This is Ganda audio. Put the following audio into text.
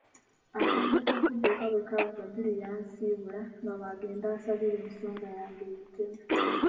Akadde k'okudda eka bwe kaavuga Julie yansiibula nga bw'agenda ansabira ensonga yange eyitemu.